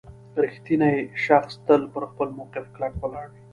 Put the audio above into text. • رښتینی شخص تل پر خپل موقف کلک ولاړ وي.